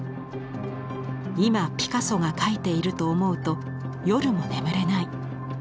今ピカソが描いていると思うと夜も眠れない。